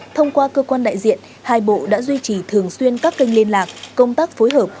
thông qua cơ quan đại diện hai bộ đã duy trì thường xuyên các kênh liên lạc công tác phối hợp